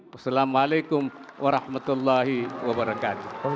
wassalamualaikum warahmatullahi wabarakatuh